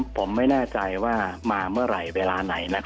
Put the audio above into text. ผมไม่แน่ใจว่ามาเมื่อไหร่เวลาไหน